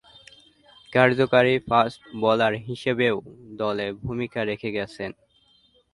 কার্যকরী fast bowler হিসেবেও দলে ভূমিকা রেখে গেছেন।